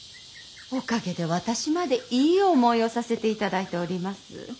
おかげで私までいい思いをさせていただいております。